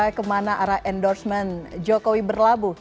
masih berbicara kemana arah endorsement jokowi berlabuh